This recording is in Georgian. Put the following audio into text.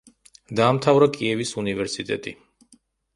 დაამთავრა კიევის უნივერსიტეტი.